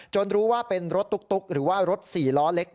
รู้ว่าเป็นรถตุ๊กหรือว่ารถ๔ล้อเล็ก